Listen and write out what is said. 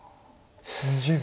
２０秒。